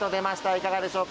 いかがでしょうか。